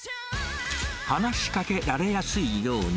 話しかけられやすいように、